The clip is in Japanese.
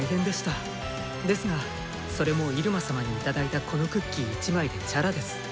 ですがそれもイルマ様に頂いたこのクッキー１枚でチャラです。